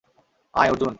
আয়, অর্জুন।